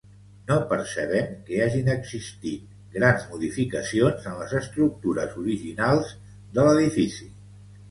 No percebem que hagin existit grans modificacions en les estructures originals de l'edifici.